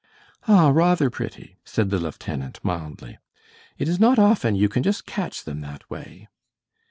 "Ah, rather pretty," said the lieutenant, mildly. "It is not often you can just catch them that way."